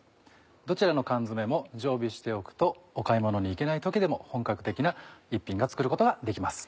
どちらの缶詰も常備しておくとお買いものに行けない時でも本格的な一品が作ることができます。